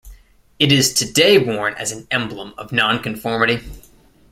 It is today worn as an emblem of non-conformity.